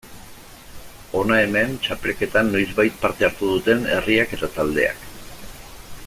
Hona hemen txapelketan noizbait parte hartu duten herriak eta taldeak.